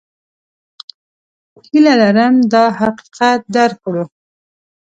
هیله لرم دا حقیقت درک کړو.